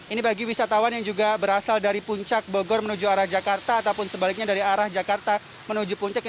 ini bagi wisatawan yang juga berasal dari puncak bogor menuju arah jakarta ataupun sebaliknya dari arah jakarta menuju puncak